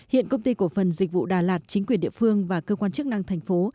hiện công ty cổ phần dịch vụ đà lạt chính quyền địa phương và cơ quan chức năng thành phố